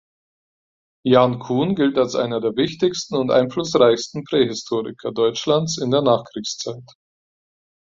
Jankuhn gilt als einer der wichtigsten und einflussreichsten Prähistoriker Deutschlands in der Nachkriegszeit.